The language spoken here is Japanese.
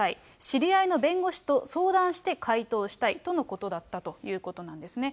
知り合いの弁護士と相談して、回答したいとのことだったということなんですね。